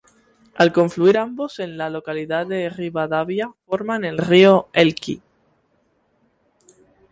Al confluir ambos en la localidad de Rivadavia forman el río Elqui.